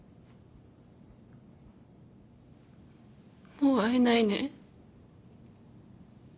もう会えないね。